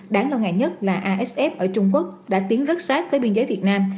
đáng lo ngại nhất là asf ở trung quốc đã tiến rất sát với biên giới việt nam